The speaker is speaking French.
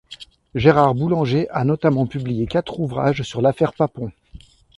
Gérard Boulanger a notamment publié quatre ouvrages sur l'affaire Papon.